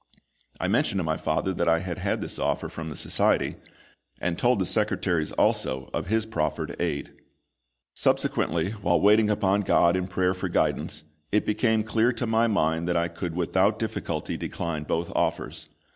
I mentioned to my father that I had had this offer from the Society, and told the secretaries also of his proffered aid. Subsequently, while waiting upon GOD in prayer for guidance, it became clear to my mind that I could without difficulty decline both offers.